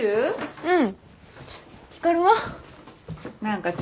うん。